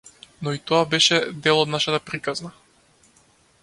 Но и тоа беше дел од нашата приказна.